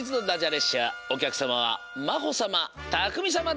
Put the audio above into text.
列車おきゃくさまはまほさまたくみさまです。